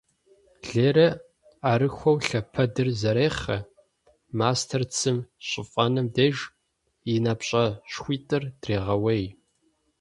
Лерэ ӏэрыхуэу лъэпэдыр зэрехъэ, мастэр цым щыфӏэнэм деж, и напщӏэшхуитӏыр дрегъэуей.